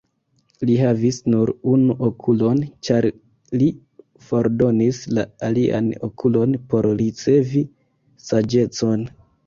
Li havis nur unu okulon, ĉar li fordonis la alian okulon por ricevi saĝecon.